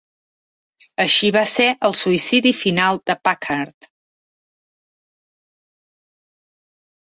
Així va ser el suïcidi final de Packard.